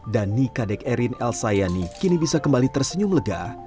dan nikadek erin el sayani kini bisa kembali tersenyum lega